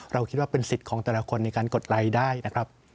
เราคิดว่าเป็นสิทธิ์ของแต่ละคนในการกดไลค์ได้นะครับ